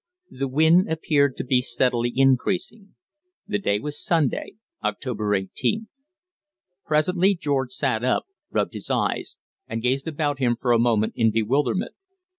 The wind appeared to be steadily increasing. The day was Sunday, October 18th. Presently George sat up, rubbed his eyes and gazed about him for a moment in bewilderment.